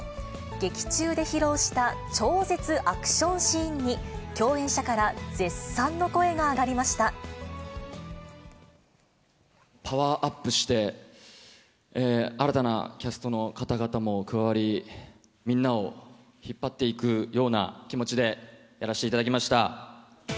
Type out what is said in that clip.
劇中で披露した超絶アクションシーンに、共演者から絶賛の声が上パワーアップして、新たなキャストの方々も加わり、みんなを引っ張っていくような気持ちでやらせていただきました。